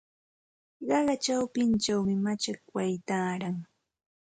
Qaqa chawpinchawmi machakway taaran.